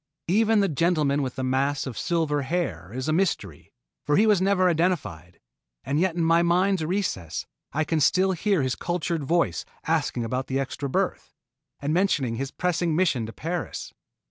Even the gentleman with the mass of silver hair is a mystery, for he was never identified, and yet in my mind's recesses I can still hear his cultured voice asking about the extra berth, and mentioning his pressing mission to Paris.